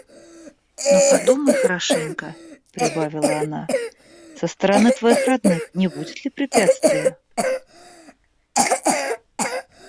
«Но подумай хорошенько, – прибавила она, – со стороны твоих родных не будет ли препятствия?»